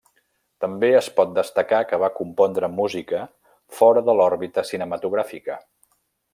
També es pot destacar que va compondre música fora de l'òrbita cinematogràfica.